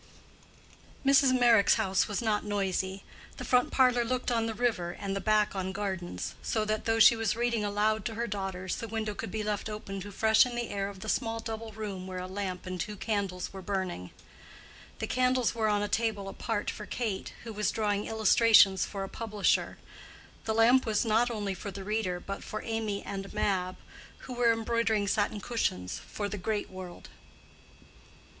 Mrs. Meyrick's house was not noisy: the front parlor looked on the river, and the back on gardens, so that though she was reading aloud to her daughters, the window could be left open to freshen the air of the small double room where a lamp and two candles were burning. The candles were on a table apart for Kate, who was drawing illustrations for a publisher; the lamp was not only for the reader but for Amy and Mab, who were embroidering satin cushions for "the great world."